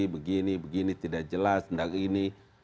begini begini tidak jelas tidak gini